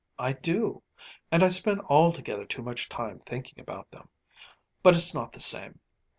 I do. And I spend altogether too much time thinking about them but it's not the same.